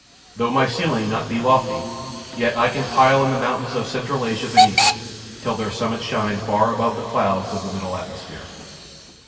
Though my ceiling be not lofty, yet I can pile up the mountains of Central Asia beneath it, till their summits shine far above the clouds of the middle atmosphere.